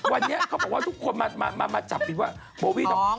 วันนี้เขาบอกว่าทุกคนมาจับผิดว่าโบวี่ทอง